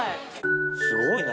すごいね。